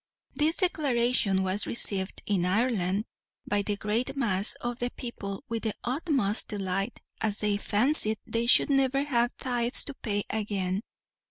This declaration was received in Ireland by the great mass of the people with the utmost delight, as they fancied they should never have tithes to pay again.